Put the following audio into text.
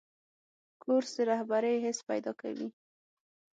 کورس د رهبرۍ حس پیدا کوي.